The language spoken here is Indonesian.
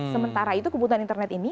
sementara itu kebutuhan internet ini